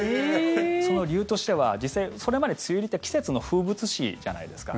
その理由としては実際、それまで梅雨入りって季節の風物詩じゃないですか。